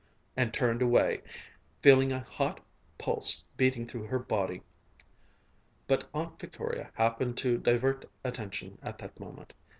_" and turned away, feeling a hot pulse beating through her body. But Aunt Victoria happened to divert attention at that moment.